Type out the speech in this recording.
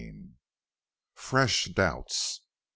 FRESH DOUBTS.